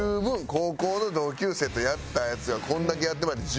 高校の同級生とやったやつがこんだけやってもらって十分。